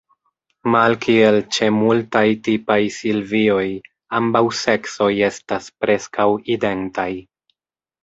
Malkiel ĉe multaj tipaj silvioj, ambaŭ seksoj estas preskaŭ identaj.